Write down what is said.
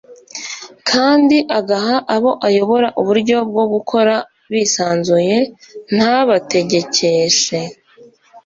kandi agaha abo ayobora uburyo bwo gukora bisanzuye, ntabategekeshe